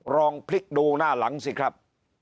ลองพลิกดูหน้าหลังสิครับ